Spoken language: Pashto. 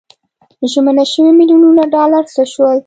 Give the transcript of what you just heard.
ژمنه شوي میلیونونه ډالر څه شول.